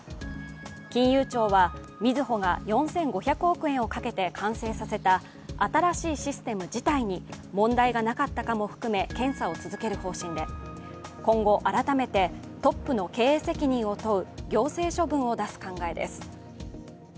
金融庁はみずほが４５００億円をかけて完成させた新しいシステム自体に問題がなかったかも含め検査を続ける方針で今後改めてトップの経営責任を問う行政処分を出す考えです。